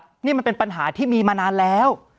ก็บอกครับนี่มันเป็นปัญหาที่มีมานานแล้ว